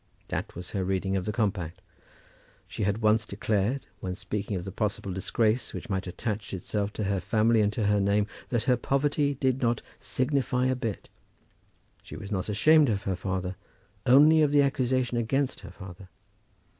That was her reading of the compact. She had once declared, when speaking of the possible disgrace which might attach itself to her family and to her name, that her poverty did not "signify a bit." She was not ashamed of her father, only of the accusation against her father.